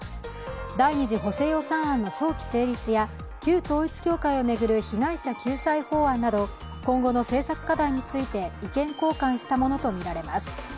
第２次補正予算案の早期成立や旧統一教会を巡る被害者救済法案など、今後の政策課題について意見交換したものとみられます。